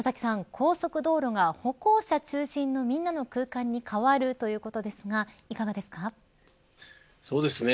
高速道路が歩行者中心のみんなの空間に変わるということですがそうですね。